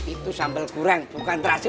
itu sambal goreng bukan terasi